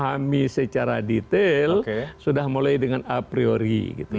yang memahami secara detail sudah mulai dengan a priori